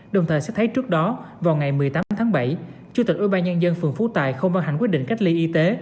đồng thời sẽ thấy trước đó vào ngày một mươi tám tháng bảy chủ tịch ủy ban nhân dân phường phú tài không văn hành quyết định cách ly y tế